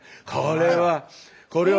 これは。